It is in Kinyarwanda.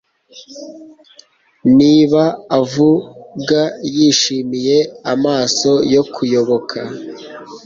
Niba avuga yishimiye amaso yo kuyoboka